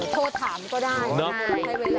โทษถามก็ได้นะครับโทษให้ไว้แล้ว